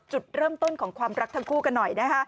จุดเริ่มต้นของความรักทั้งคู่กันหน่อยนะคะ